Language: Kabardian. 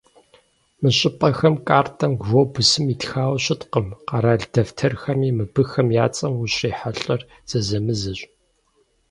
Мы щӏыпӏэхэр картэм, глобусым итхауэ щыткъым, къэрал дэфтэрхэми мыбыхэм я цӀэм ущыщрихьэлӀэр зэзэмызэщ.